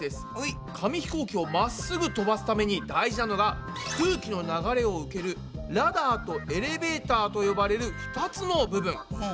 紙ひこうきを真っ直ぐ飛ばすために大事なのが空気の流れを受ける「ラダー」と「エレベータ」と呼ばれる２つの部分。